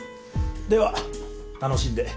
では楽しんで。